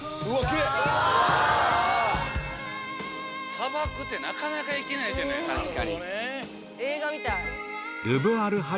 砂漠ってなかなか行けないじゃないですか。